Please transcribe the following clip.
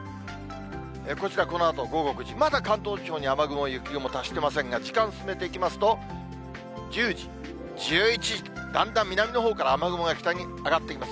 こちら、このあと午後９時、まだ関東地方、雨雲、雪雲、達してませんが、時間進めていきますと、１０時、１１時、だんだん南のほうから雨雲が北に上がってきます。